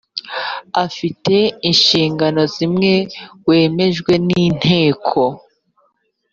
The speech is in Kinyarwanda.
afite inshingano zimwe wemejwe n inteko